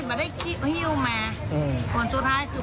เปล่าสุดท้ายคือ